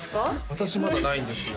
私まだないんですよ